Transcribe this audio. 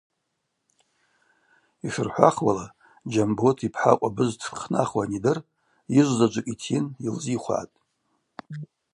Йшырхӏвахуала, Джьамбот йпхӏа акъвабыз дшхънахуа анидыр йыжвзаджвыкӏ йтйын йылзихвгӏатӏ.